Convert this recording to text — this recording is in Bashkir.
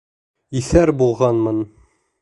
Иҫәр булғанмын!